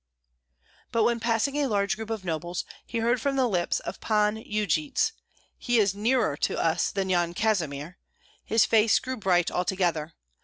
_" But when passing a large group of nobles he heard from the lips of Pan Yujits, "He is nearer to us than Yan Kazimir," his face grew bright altogether.